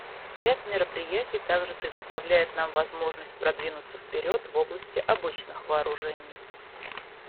Ряд мероприятий также предоставляет нам возможность продвинуться вперед в области обычных вооружений.